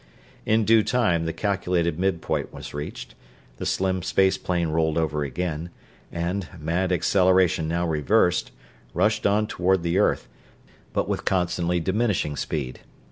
In due time the calculated mid point was reached, the slim space plane rolled over again, and, mad acceleration now reversed, rushed on toward the earth, but with constantly diminishing speed.